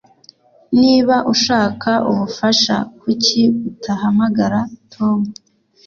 Niba ushaka ubufasha kuki utahamagara Tom